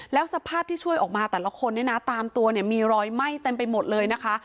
แล้วสภาพที่ช่วยออกมาแต่ละคนเนี่ยนะตามตัวเนี่ยมีรอยไหม้เต็มไปหมดเลยนะคะ